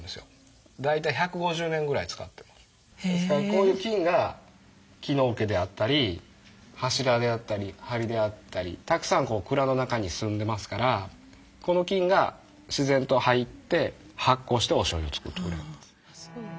こういう菌が木のおけであったり柱であったりはりであったりたくさんこう蔵の中に住んでますからこの菌が自然と入って発酵しておしょうゆを造ってくれるんです。